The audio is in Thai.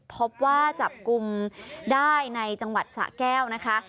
พบว่าจับกลุ่มได้ในจังหวัดสะแก้วนะคะ